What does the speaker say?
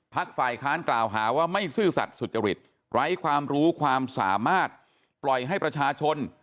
ฝ่ายค้านกล่าวหาว่าไม่ซื่อสัตว์สุจริตไร้ความรู้ความสามารถปล่อยให้ประชาชน